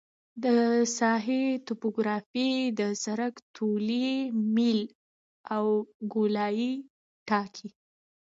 د ساحې توپوګرافي د سرک طولي میل او ګولایي ټاکي